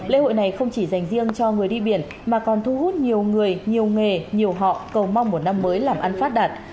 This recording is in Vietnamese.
lễ hội này không chỉ dành riêng cho người đi biển mà còn thu hút nhiều người nhiều nghề nhiều họ cầu mong một năm mới làm ăn phát đạt